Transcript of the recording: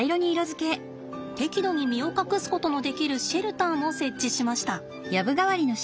適度に身を隠すことのできるシェルターも設置しました。